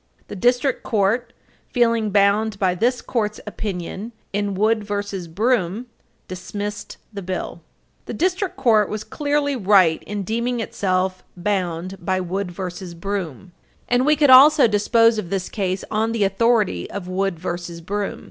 The District Court, feeling bound by this Court's opinion in Wood v. Broom, 287 U. S. 1, dismissed the complaint. 64 F. Supp. 632. The District Court was clearly right in deeming itself bound by Wood v. Broom, supra, and we could also dispose of this case on the authority of Wood v. Broom.